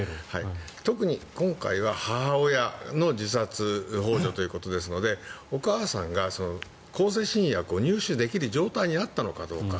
特に今回は母親の自殺ほう助ということですのでお母さんが向精神薬を入手できる状態にあったのかどうか。